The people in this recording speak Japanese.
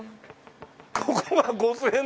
ここが５０００円なの？